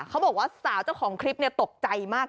เขาบอกว่าสาวเจ้าของคลิปตกใจมาก